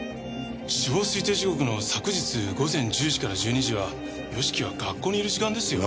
死亡推定時刻の昨日午前１０時から１２時は義樹は学校にいる時間ですよ。